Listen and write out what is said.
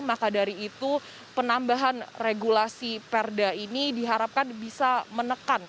maka dari itu penambahan regulasi perda ini diharapkan bisa menekan